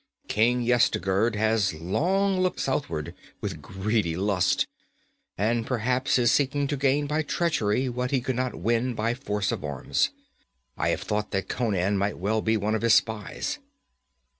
King Yezdigerd has long looked southward with greedy lust and perhaps is seeking to gain by treachery what he could not win by force of arms. I have thought that Conan might well be one of his spies.'